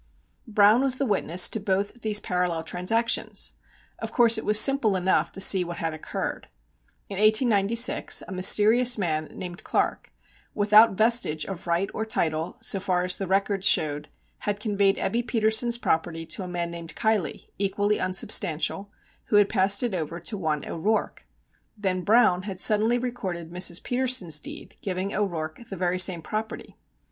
Browne was the witness to both these parallel transactions! Of course it was simple enough to see what had occurred. In 1896 a mysterious man, named Clark, without vestige of right or title, so far as the records showed, had conveyed Ebbe Petersen's property to a man named Keilly, equally unsubstantial, who had passed it over to one O'Rourke. Then Browne had suddenly recorded Mrs. Petersen's deed giving O'Rourke the very same property.